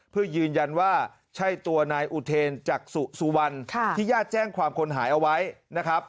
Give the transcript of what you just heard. เพื่อยืนยันว่าใช่ตัวนายอุเทนจักษุสุวรรณที่ญาติแจ้งความคนหายเอาไว้นะครับ